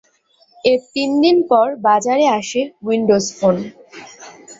এর তিনদিন পর বাজারে আসে উইন্ডোজ ফোন।